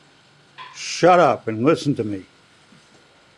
Shut up and listen to me.